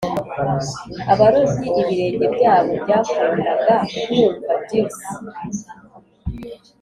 abarobyi ibirenge byabo byakundaga kumva dulse